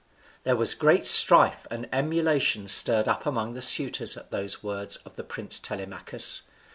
There was great strife and emulation stirred up among the suitors at those words of the prince Telemachus.